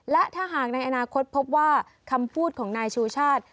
และถ้าหากในอนาคตพบว่าคำพูดของนายชูชาติ